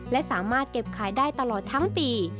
และสามารถเก็บขายได้ตลอดทั้งปี